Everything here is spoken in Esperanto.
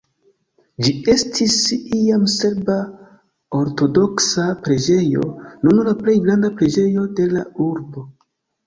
Ĝi estis iam serba ortodoksa preĝejo, nun la plej granda preĝejo de la urbo.